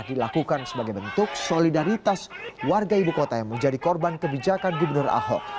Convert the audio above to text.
dilakukan sebagai bentuk solidaritas warga ibu kota yang menjadi korban kebijakan gubernur ahok